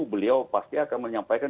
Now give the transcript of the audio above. beliau pasti akan menyampaikan